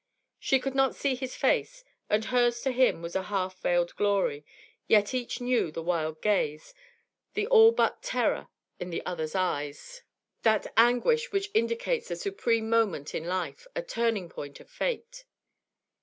She could not see his face, and hers to him was a half veiled glory, yet each knew the wild gaze, the all but terror, in the other's eyes, that anguish which indicates a supreme moment in life, a turning point of fate.